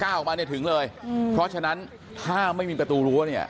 ก้าวออกมาถึงเลยเพราะฉะนั้นถ้าไม่มีประตูรู้